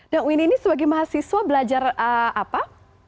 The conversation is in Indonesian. dan windy ini sebagai mahasiswa belajar apa